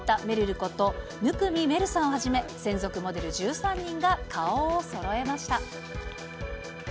こと、生見愛瑠さんをはじめ、専属モデル１３人が顔をそろえました。